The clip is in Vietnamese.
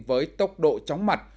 với tốc độ chóng mặt